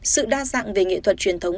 sự đa dạng về nghệ thuật truyền thống